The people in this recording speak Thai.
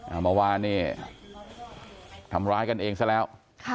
เมื่อวานนี่ทำร้ายกันเองซะแล้ว